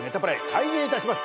開演いたします。